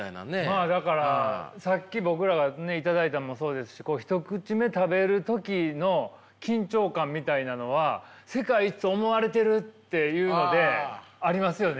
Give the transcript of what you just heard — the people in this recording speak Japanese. まあだからさっき僕らが頂いたのもそうですしこう１口目食べる時の緊張感みたいなのは世界一と思われてるっていうのでありますよね。